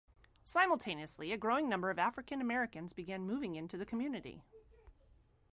Simultaneously, a growing number of African Americans began moving into the community.